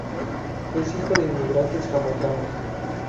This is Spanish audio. Es hijo de inmigrantes jamaicanos.